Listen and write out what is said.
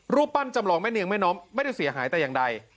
รูปปั้นจำลองแม่เนียงแม่น้อมไม่ได้เสียหายแต่อย่างใด